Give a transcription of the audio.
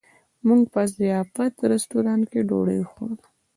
موږ په ضیافت رسټورانټ کې ډوډۍ وخوړله.